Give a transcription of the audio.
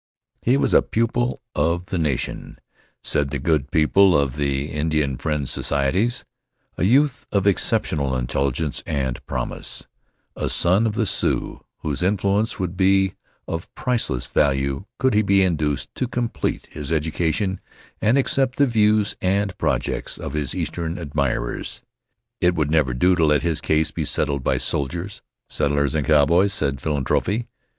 He was a pupil of the nation, said the good people of the Indian Friends Societies a youth of exceptional intelligence and promise, a son of the Sioux whose influence would be of priceless value could he be induced to complete his education and accept the views and projects of his eastern admirers. It would never do to let his case be settled by soldiers, settlers and cowboys, said philanthropy.